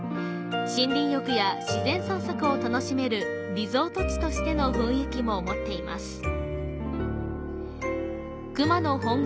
森林浴や自然散策を楽しめるリゾート地としての雰囲気も持っています。